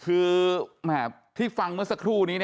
แต่ว่าถ้ามุมมองในทางการรักษาก็ดีค่ะ